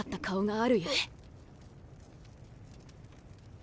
あ。